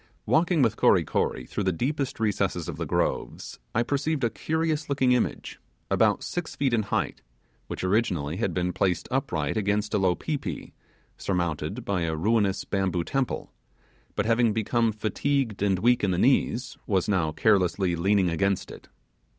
Walking with Kory Kory through the deepest recesses of the groves, I perceived a curious looking image, about six feet in height which originally had been placed upright against a low pi pi, surmounted by a ruinous bamboo temple, but having become fatigued and weak in the knees, was now carelessly leaning against it.